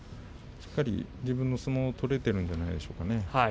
しっかりと自分の相撲が取れているんではないでしょうか。